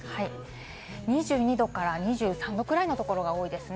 ２２度から２３度くらいのところが多いですね。